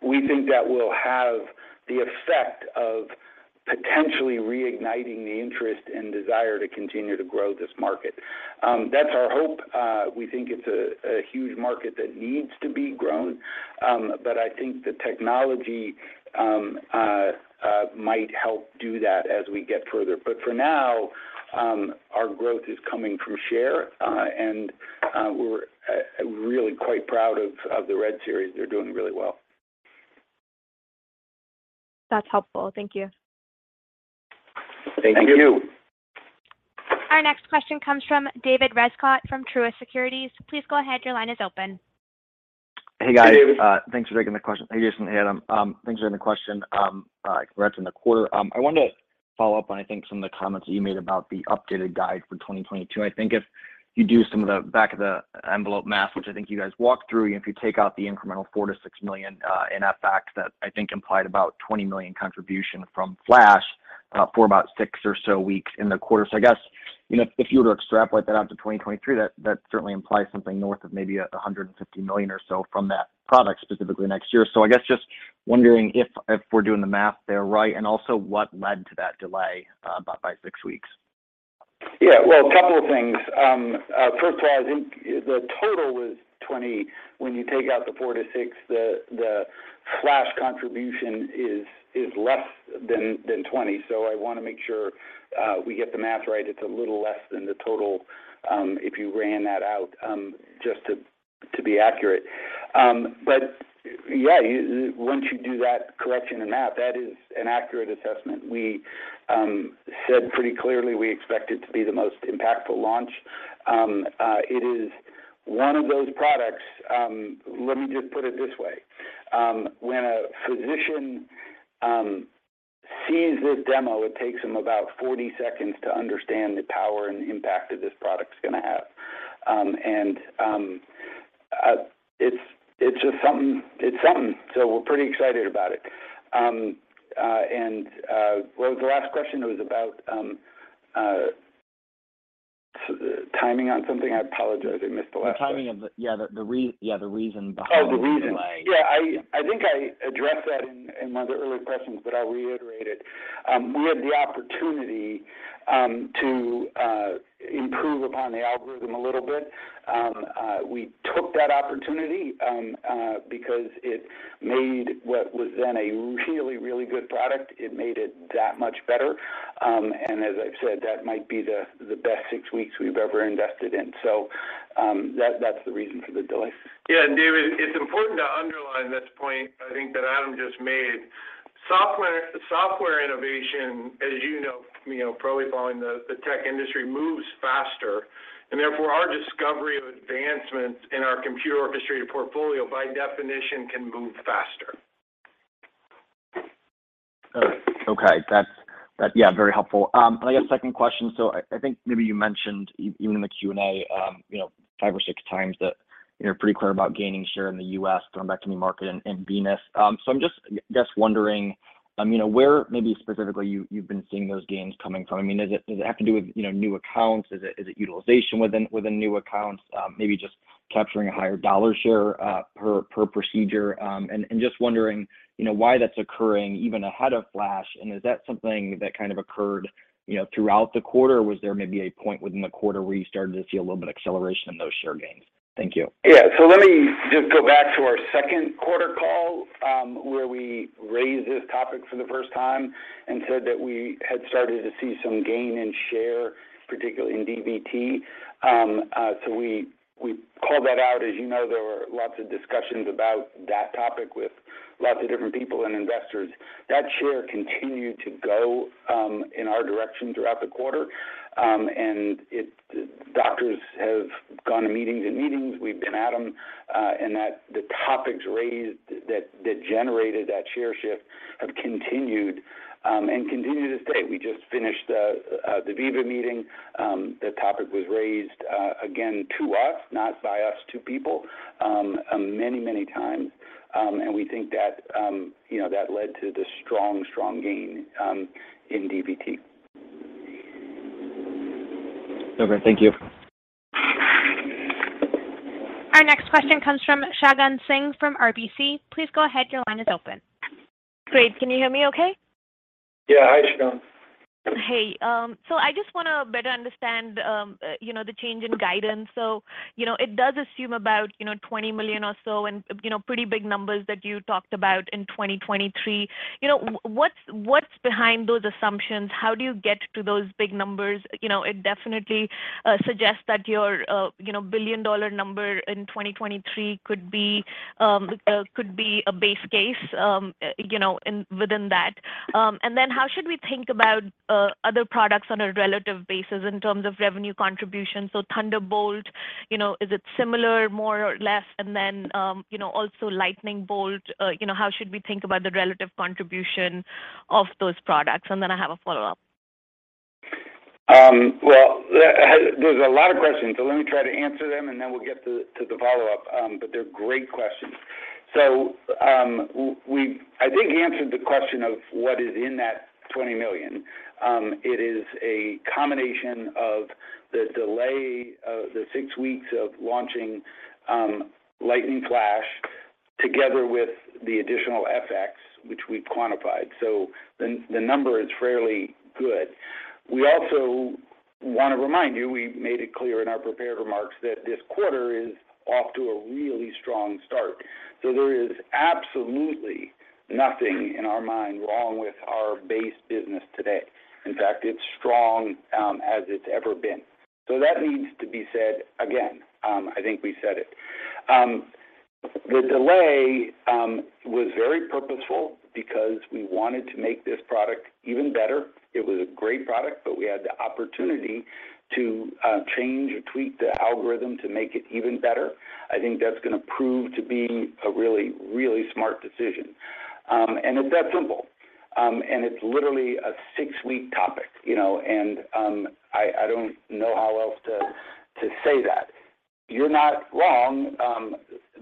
Speaker 3: we think that will have the effect of potentially reigniting the interest and desire to continue to grow this market. That's our hope. We think it's a huge market that needs to be grown. I think the technology might help do that as we get further. For now, our growth is coming from share, and we're really quite proud of the RED series. They're doing really well.
Speaker 9: That's helpful. Thank you.
Speaker 3: Thank you.
Speaker 5: Thank you.
Speaker 1: Our next question comes from David Rescott from Truist Securities. Please go ahead, your line is open.
Speaker 10: Hey, guys.
Speaker 3: Hey, David.
Speaker 10: Thanks for taking the question. Hey, Jason. Hey, Adam. Thanks for taking the question. Congrats on the quarter. I wanted to follow up on, I think, some of the comments that you made about the updated guidance for 2022. I think if you do some of the back-of-the-envelope math, which I think you guys walked through, if you take out the incremental $4 million-$6 million in FX, that I think implied about $20 million contribution from Lightning Flash for about six or so weeks in the quarter. I guess, you know, if you were to extrapolate that out to 2023, that certainly implies something north of maybe $150 million or so from that product specifically next year. I guess just wondering if we're doing the math there right, and also what led to that delay by six weeks?
Speaker 3: Yeah. Well, a couple of things. First of all, I think the total was 20. When you take out the four to six, the Flash contribution is less than 20. I wanna make sure we get the math right. It's a little less than the total, if you ran that out, just to be accurate. Yeah, once you do that correction and math, that is an accurate assessment. We said pretty clearly we expect it to be the most impactful launch. It is one of those products, let me just put it this way. When a physician sees this demo, it takes him about 40 seconds to understand the power and impact that this product's gonna have. It's just something. It's something. We're pretty excited about it. What was the last question? It was about the timing on something. I apologize. I missed the last part.
Speaker 10: The reason behind the delay.
Speaker 3: Yeah, I think I addressed that in one of the earlier questions, but I'll reiterate it. We had the opportunity to improve upon the algorithm a little bit. We took that opportunity because it made what was then a really good product that much better. As I've said, that might be the best six weeks we've ever invested in. That's the reason for the delay.
Speaker 6: Yeah. David, it's important to underline this point, I think, that Adam just made. Software, software innovation, as you know from, you know, probably following the tech industry, moves faster, and therefore our discovery of advancements in our computer-orchestrated portfolio, by definition, can move faster.
Speaker 10: All right. Okay. That's yeah very helpful. I guess second question. I think maybe you mentioned even in the Q&A, you know, five or six times that, you know, pretty clear about gaining share in the U.S., growing in the neuro market and venous. I'm just wondering, you know, where maybe specifically you've been seeing those gains coming from. I mean, does it have to do with, you know, new accounts? Is it utilization within new accounts? Maybe just capturing a higher dollar share per procedure. Just wondering, you know, why that's occurring even ahead of Flash, and is that something that kind of occurred, you know, throughout the quarter? Was there maybe a point within the quarter where you started to see a little bit of acceleration in those share gains? Thank you.
Speaker 3: Let me just go back to our second quarter call, where we raised this topic for the first time and said that we had started to see some gain in share, particularly in DVT. We called that out. As you know, there were lots of discussions about that topic with lots of different people and investors. That share continued to go in our direction throughout the quarter. Doctors have gone to meetings and meetings. We've been at them, and the topics raised that generated that share shift have continued and continue to this day. We just finished the VIVA meeting. The topic was raised again to us, not by us to people, many, many times. We think that, you know, that led to the strong gain in DVT.
Speaker 10: Okay, thank you.
Speaker 1: Our next question comes from Shagun Singh from RBC. Please go ahead, your line is open.
Speaker 11: Great. Can you hear me okay?
Speaker 3: Yeah. Hi, Shagun.
Speaker 11: Hey. I just wanna better understand, you know, the change in guidance. It does assume about, you know, $20 million or so and, you know, pretty big numbers that you talked about in 2023. You know, what's behind those assumptions? How do you get to those big numbers? You know, it definitely suggests that your, you know, billion-dollar number in 2023 could be a base case, you know, within that. And then how should we think about other products on a relative basis in terms of revenue contribution? Thunderbolt, you know, is it similar, more or less? And then, you know, also Lightning Bolt, you know, how should we think about the relative contribution of those products? And then I have a follow-up.
Speaker 3: Well, there's a lot of questions, so let me try to answer them, and then we'll get to the follow-up. But they're great questions. I think we answered the question of what is in that $20 million. It is a combination of the delay of the six weeks of launching Lightning Flash together with the additional FX, which we've quantified. The number is fairly good. We also wanna remind you, we made it clear in our prepared remarks that this quarter is off to a really strong start. There is absolutely nothing in our mind wrong with our base business today. In fact, it's strong as it's ever been. That needs to be said again. I think we said it. The delay was very purposeful because we wanted to make this product even better. It was a great product, but we had the opportunity to change or tweak the algorithm to make it even better. I think that's gonna prove to be a really, really smart decision. It's that simple. It's literally a six-week topic, you know, and I don't know how else to say that. You're not wrong.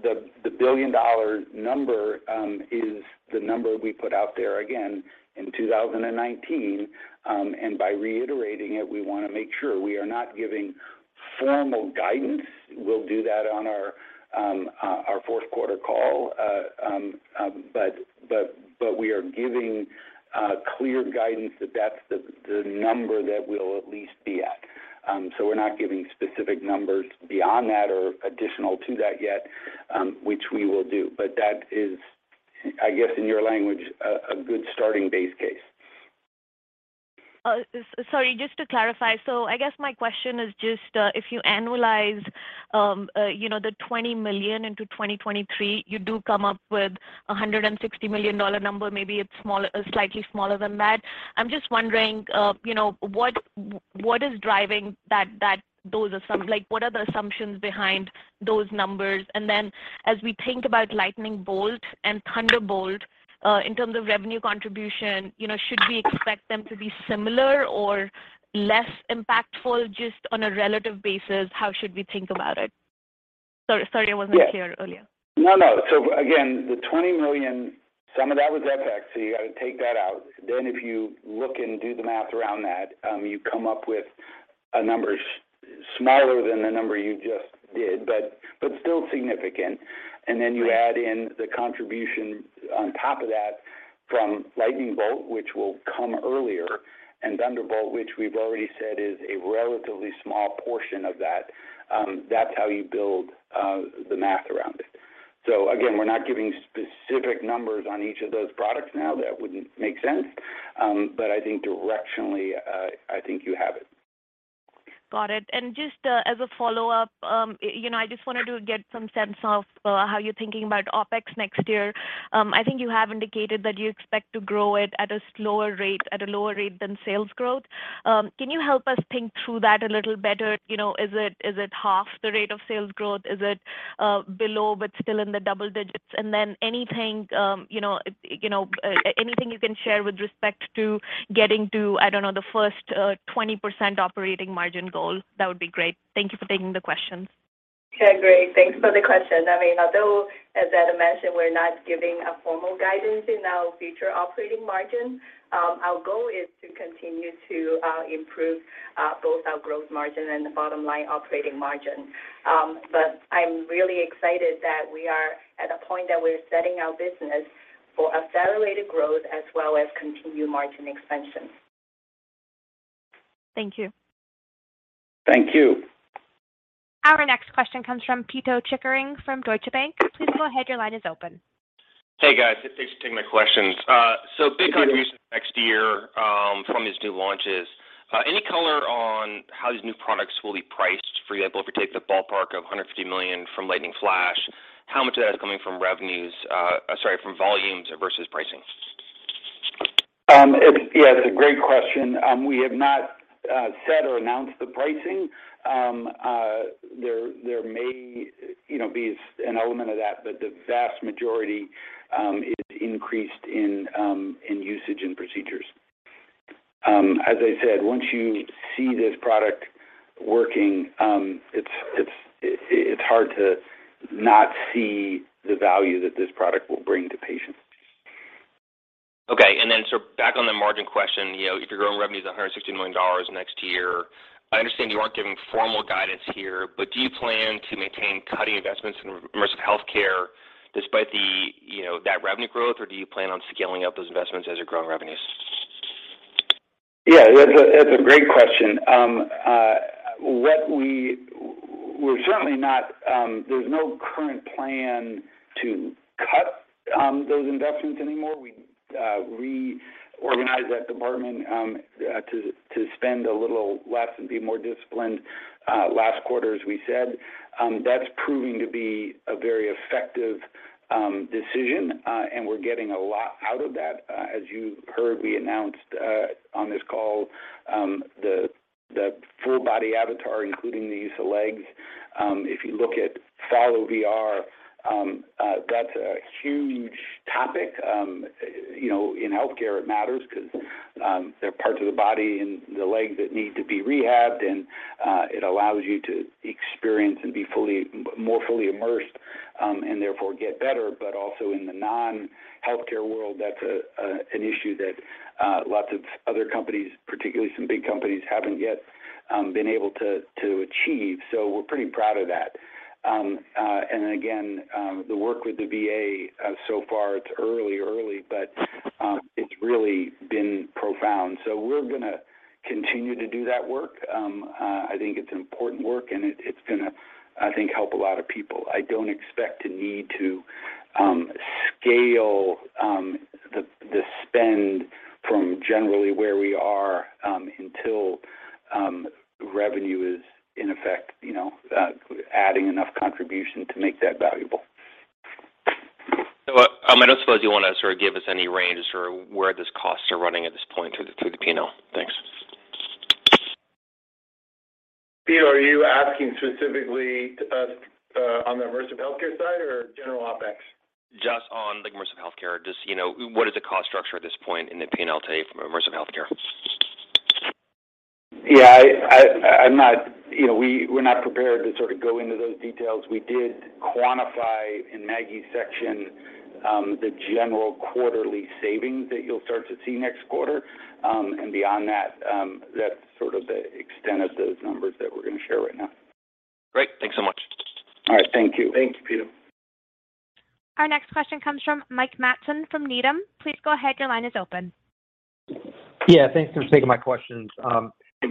Speaker 3: The billion-dollar number is the number we put out there again in 2019. By reiterating it, we wanna make sure we are not giving formal guidance. We'll do that on our fourth quarter call. We are giving clear guidance that that's the number that we'll at least be at. We're not giving specific numbers beyond that or additional to that yet, which we will do. That is, I guess, in your language, a good starting base case.
Speaker 11: Sorry, just to clarify. I guess my question is just, if you annualize, you know, the $20 million into 2023, you do come up with a $160 million number. Maybe it's slightly smaller than that. I'm just wondering, you know, what is driving that, those assumptions behind those numbers? Then as we think about Lightning Bolt and Thunderbolt, in terms of revenue contribution, you know, should we expect them to be similar or less impactful just on a relative basis? How should we think about it? Sorry I wasn't clear earlier.
Speaker 3: No, no. Again, the $20 million, some of that was FX, so you gotta take that out. Then if you look and do the math around that, you come up with a number smaller than the number you just did, but still significant.
Speaker 11: Right.
Speaker 3: Then you add in the contribution on top of that from Lightning Bolt, which will come earlier, and Thunderbolt, which we've already said is a relatively small portion of that. That's how you build the math around it. Again, we're not giving specific numbers on each of those products now. That wouldn't make sense. I think directionally, I think you have it.
Speaker 11: Got it. Just as a follow-up, you know, I just wanted to get some sense of how you're thinking about OpEx next year. I think you have indicated that you expect to grow it at a slower rate, at a lower rate than sales growth. Can you help us think through that a little better? You know, is it half the rate of sales growth? Is it below but still in the double digits? Then anything, you know, anything you can share with respect to getting to, I don't know, the first 20% operating margin goal, that would be great. Thank you for taking the questions.
Speaker 5: Yeah, great. Thanks for the question. I mean, although as Adam mentioned, we're not giving a formal guidance in our future operating margin, our goal is to continue to improve both our gross margin and the bottom line operating margin. I'm really excited that we are at a point that we're setting our business for accelerated growth as well as continued margin expansion.
Speaker 11: Thank you.
Speaker 3: Thank you.
Speaker 1: Our next question comes from Pito Chickering from Deutsche Bank. Please go ahead. Your line is open.
Speaker 12: Hey, guys. Thanks for taking my questions. Big contribution-
Speaker 3: Thank you.
Speaker 12: next year from these new launches. Any color on how these new products will be priced for you? Like, if we take the ballpark of $150 million from Lightning Flash, how much of that is coming from volumes versus pricing?
Speaker 3: Yeah, that's a great question. We have not set or announced the pricing. There may, you know, be an element of that, but the vast majority is increased in usage and procedures. As I said, once you see this product working, it's hard to not see the value that this product will bring to patients.
Speaker 12: Okay. Back on the margin question. You know, if you're growing revenues $160 million next year, I understand you aren't giving formal guidance here, but do you plan to maintain cutting investments in immersive healthcare despite the, you know, that revenue growth, or do you plan on scaling up those investments as you're growing revenues?
Speaker 3: Yeah, that's a great question. We're certainly not. There's no current plan to cut those investments anymore. We reorganized that department to spend a little less and be more disciplined last quarter, as we said. That's proving to be a very effective decision, and we're getting a lot out of that. As you heard, we announced on this call the full body avatar, including the use of legs. If you look at final VR, that's a huge topic. You know, in healthcare it matters because there are parts of the body and the leg that need to be rehabbed, and it allows you to experience and be more fully immersed and therefore get better, but also in the non-healthcare world, that's an issue that lots of other companies, particularly some big companies, haven't yet been able to achieve. We're pretty proud of that. Again, the work with the VA so far it's early, but it's really been profound. We're gonna continue to do that work. I think it's important work, and it's gonna, I think, help a lot of people. I don't expect to need to scale the spend from generally where we are until revenue is in effect, you know, adding enough contribution to make that valuable.
Speaker 12: I don't suppose you wanna sort of give us any range for where those costs are running at this point through the P&L? Thanks.
Speaker 3: Pito, are you asking specifically to us on the Immersive Healthcare side or general OpEx?
Speaker 12: Just on the Immersive Healthcare. Just, you know, what is the cost structure at this point in the P&L today from Immersive Healthcare?
Speaker 3: Yeah. You know, we're not prepared to sort of go into those details. We did quantify in Maggie's section the general quarterly savings that you'll start to see next quarter. Beyond that's sort of the extent of those numbers that we're gonna share right now.
Speaker 12: Great. Thanks so much.
Speaker 3: All right. Thank you.
Speaker 6: Thanks, Pito.
Speaker 1: Our next question comes from Mike Matson from Needham. Please go ahead, your line is open.
Speaker 13: Yeah. Thanks for taking my questions.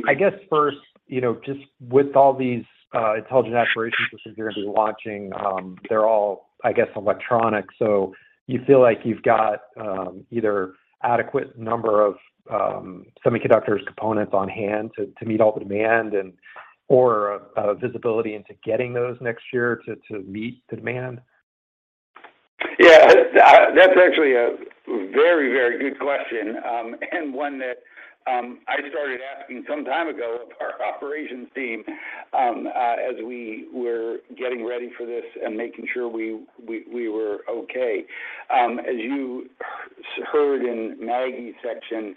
Speaker 13: I guess first, you know, just with all these intelligent aspiration systems you're gonna be launching, they're all, I guess, electronic. So you feel like you've got either adequate number of semiconductor components on hand to meet all the demand and/or visibility into getting those next year to meet the demand?
Speaker 3: Yeah. That's actually a very, very good question, and one that I started asking some time ago of our operations team, as we were getting ready for this and making sure we were okay. As you heard in Maggie's section,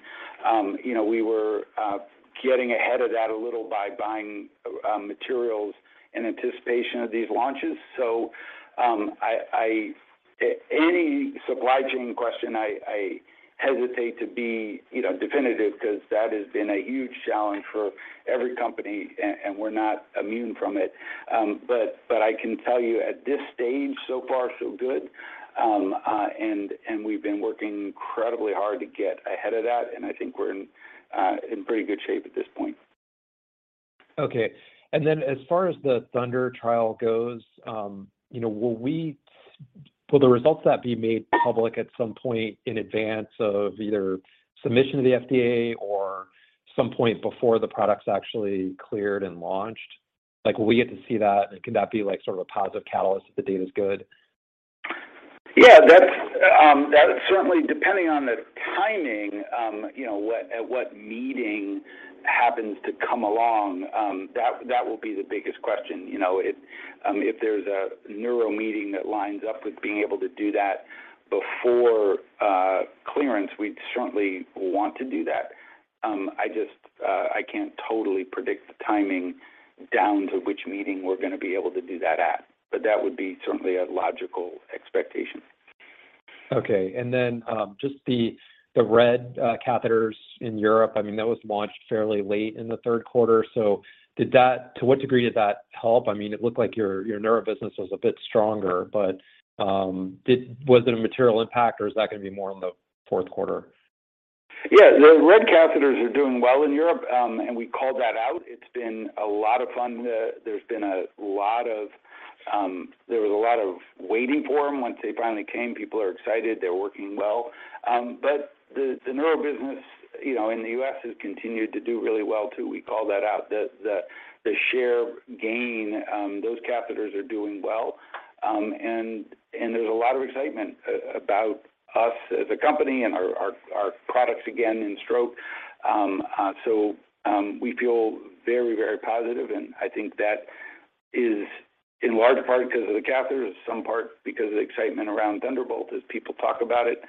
Speaker 3: you know, we were getting ahead of that a little by buying materials in anticipation of these launches. Any supply chain question, I hesitate to be, you know, definitive because that has been a huge challenge for every company and we're not immune from it. But I can tell you at this stage, so far so good. We've been working incredibly hard to get ahead of that, and I think we're in pretty good shape at this point.
Speaker 13: Okay. As far as the THUNDER trial goes, you know, Will the results of that be made public at some point in advance of either submission to the FDA or some point before the product's actually cleared and launched? Like, will we get to see that? And can that be like sort of a positive catalyst if the data's good?
Speaker 3: Yeah. That certainly depends on the timing, you know, what meeting happens to come along, that will be the biggest question. You know, if there's a neuro meeting that lines up with being able to do that before clearance, we'd certainly want to do that. I just can't totally predict the timing down to which meeting we're gonna be able to do that at, but that would certainly be a logical expectation.
Speaker 13: Okay. Just the RED catheters in Europe, I mean, that was launched fairly late in the third quarter. To what degree did that help? I mean, it looked like your neuro business was a bit stronger, but was it a material impact, or is that gonna be more in the fourth quarter?
Speaker 3: Yeah. The RED catheters are doing well in Europe, and we called that out. It's been a lot of fun. There's been a lot of waiting for them. Once they finally came, people are excited. They're working well. The neuro business, you know, in the U.S. has continued to do really well too. We called that out. The share gain, those catheters are doing well. There's a lot of excitement about us as a company and our products again in stroke. We feel very, very positive, and I think that is in large part because of the catheters, some part because of the excitement around Thunderbolt as people talk about it.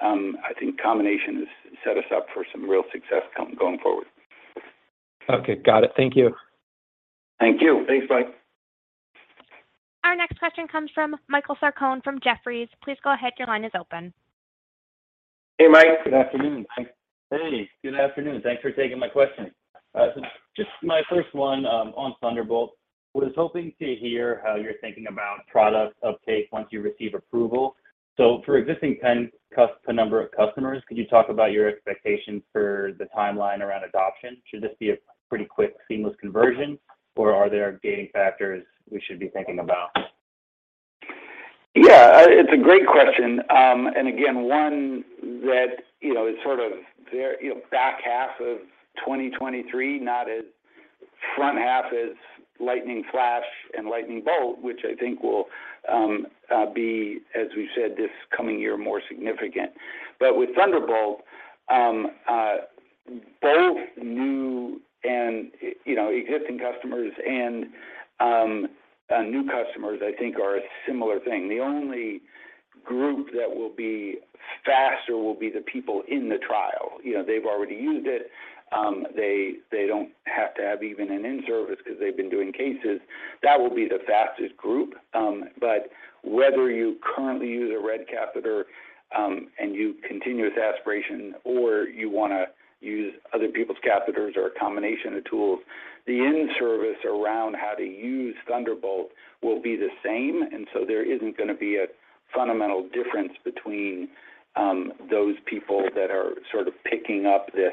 Speaker 3: I think combination has set us up for some real success going forward.
Speaker 13: Okay. Got it. Thank you.
Speaker 3: Thank you. Thanks, Mike.
Speaker 1: Our next question comes from Michael Sarcone from Jefferies. Please go ahead, your line is open.
Speaker 3: Hey, Mike. Good afternoon.
Speaker 14: Hey. Good afternoon. Thanks for taking my question. Just my first one on Thunderbolt. Was hoping to hear how you're thinking about product uptake once you receive approval. For existing number of customers, could you talk about your expectations for the timeline around adoption? Should this be a pretty quick seamless conversion, or are there gating factors we should be thinking about?
Speaker 3: It's a great question. Again, one that, you know, is sort of there, you know, back half of 2023, not as front half as Lightning Flash and Lightning Bolt, which I think will be, as we said, this coming year more significant. With Thunderbolt, both new and, you know, existing customers and new customers I think are a similar thing. The only group that will be faster will be the people in the trial. You know, they've already used it, they don't have to have even an in-service because they've been doing cases. That will be the fastest group. Whether you currently use a RED catheter and you use continuous aspiration, or you wanna use other people's catheters or a combination of tools, the in-service around how to use Thunderbolt will be the same. There isn't gonna be a fundamental difference between those people that are sort of picking up this.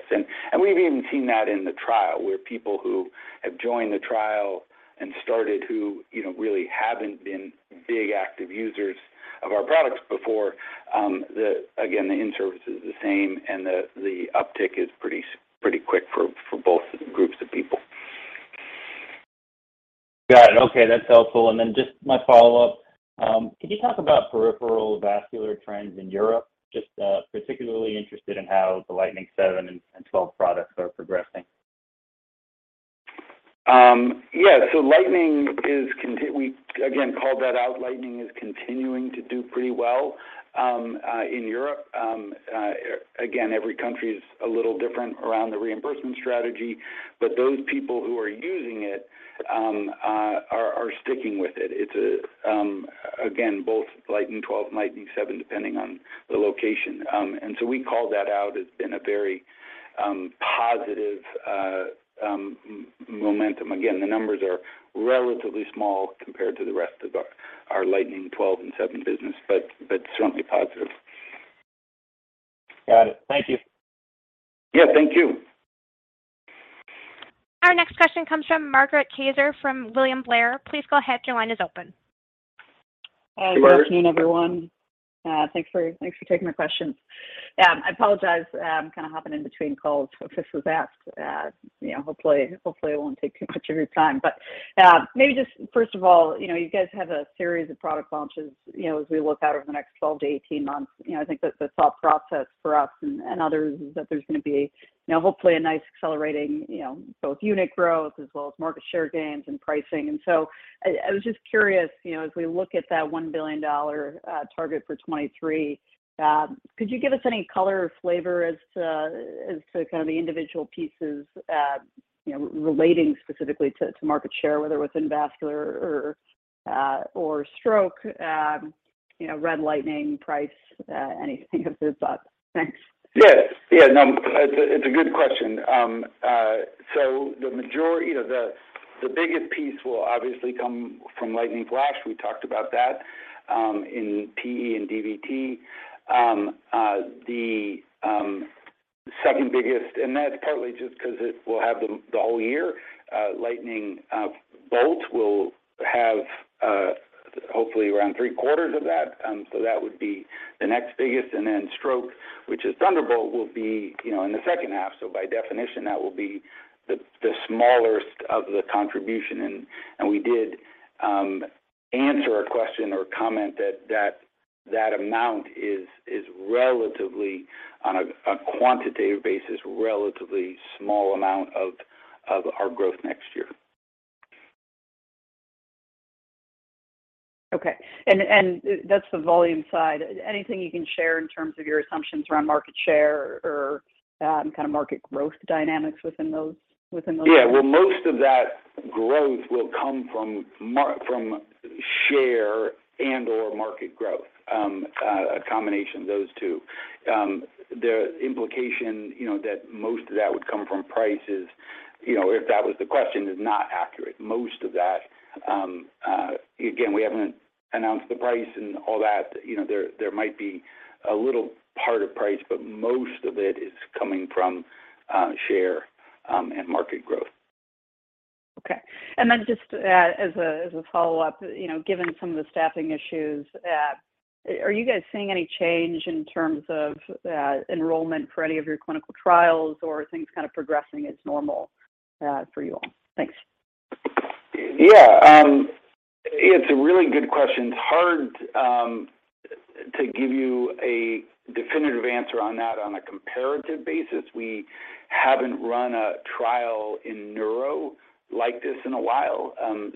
Speaker 3: We've even seen that in the trial, where people who have joined the trial and started who you know really haven't been big active users of our products before. Again, the in-service is the same and the uptick is pretty quick for both groups of people.
Speaker 14: Got it. Okay, that's helpful. Just my follow-up, could you talk about peripheral vascular trends in Europe? Just, particularly interested in how the Lightning Seven and Twelve products are progressing.
Speaker 3: We again called that out. Lightning is continuing to do pretty well in Europe. Again, every country is a little different around the reimbursement strategy, but those people who are using it are sticking with it. It's again, both Lightning 12, Lightning 7, depending on the location. We called that out. It's been a very positive momentum. Again, the numbers are relatively small compared to the rest of our Lightning 12 and 7 business, but certainly positive.
Speaker 14: Got it. Thank you.
Speaker 3: Yeah, thank you.
Speaker 1: Our next question comes from Margaret Kaczor from William Blair. Please go ahead, your line is open.
Speaker 3: Hi, Margaret.
Speaker 15: Good afternoon, everyone. Thanks for taking my questions. I apologize, kind of hopping in between calls if this was asked. You know, hopefully I won't take too much of your time. But, maybe just first of all, you know, you guys have a series of product launches, you know, as we look out over the next 12-18 months. You know, I think that the thought process for us and others is that there's gonna be, you know, hopefully a nice accelerating, you know, both unit growth as well as market share gains and pricing. I was just curious, you know, as we look at that $1 billion target for 2023, could you give us any color or flavor as to kind of the individual pieces, you know, relating specifically to market share, whether within vascular or stroke, you know, RED Lightning price, anything of those sorts? Thanks.
Speaker 3: Yes. Yeah, no, it's a good question. The majority of the biggest piece will obviously come from Lightning Flash. We talked about that in PE and DVT. The second biggest, and that's partly just because it will have the whole year, Lightning Bolt will have hopefully around three quarters of that. That would be the next biggest. Stroke, which is Thunderbolt, will be, you know, in the second half. By definition, that will be the smallest of the contribution. We did answer a question or comment that that amount is relatively on a quantitative basis relatively small amount of our growth next year.
Speaker 15: Okay. That's the volume side. Anything you can share in terms of your assumptions around market share or, kind of market growth dynamics within those areas?
Speaker 3: Yeah. Well, most of that growth will come from share and/or market growth. A combination of those two. The implication, you know, that most of that would come from price is, you know, if that was the question, is not accurate. Most of that, again, we haven't announced the price and all that. You know, there might be a little part of price, but most of it is coming from share and market growth.
Speaker 15: Okay. Just as a follow-up, you know, given some of the staffing issues, are you guys seeing any change in terms of enrollment for any of your clinical trials, or are things kind of progressing as normal for you all? Thanks.
Speaker 3: Yeah. It's a really good question. It's hard to give you a definitive answer on that on a comparative basis. We haven't run a trial in neuro like this in a while,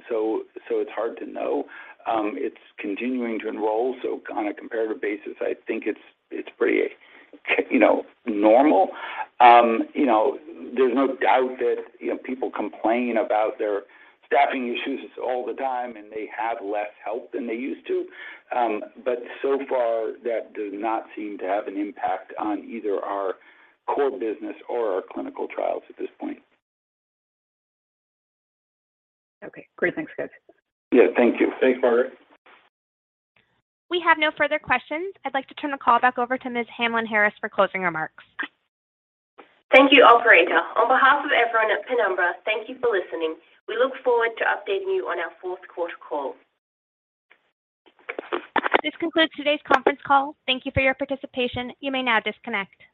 Speaker 3: so it's hard to know. It's continuing to enroll, so on a comparative basis, I think it's pretty, you know, normal. You know, there's no doubt that, you know, people complain about their staffing issues all the time and they have less help than they used to. So far, that does not seem to have an impact on either our core business or our clinical trials at this point.
Speaker 15: Okay. Great. Thanks, guys.
Speaker 3: Yeah, thank you.
Speaker 5: Thanks, Margaret.
Speaker 1: We have no further questions. I'd like to turn the call back over to Ms. Hamlyn-Harris for closing remarks.
Speaker 2: Thank you, operator. On behalf of everyone at Penumbra, thank you for listening. We look forward to updating you on our fourth quarter call.
Speaker 1: This concludes today's conference call. Thank you for your participation. You may now disconnect.